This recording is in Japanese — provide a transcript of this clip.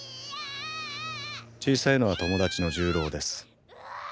小さいのは友達の重郎です。